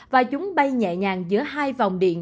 và chúng bay nhẹ nhàng giữa hai vòng điện